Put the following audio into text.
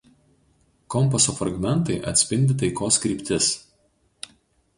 Kompaso fragmentai atspindi taikos kryptis.